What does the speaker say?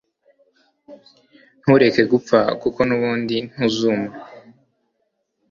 ntureke gupfa, kuko n'ubundu ntuzuma